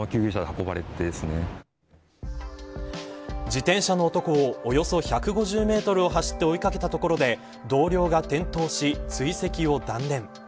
自転車の男をおよそ１５０メートル走って追いかけたところで同僚が転倒し、追跡を断念。